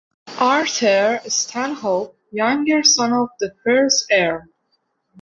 Arthur Stanhope, younger son of the first Earl.